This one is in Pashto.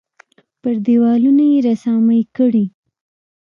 پر دېوالونو یې رسامۍ کړي.